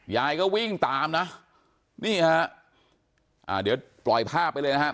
ยายก็วิ่งตามนะเดี๋ยวปล่อยภาพไปเลยครับ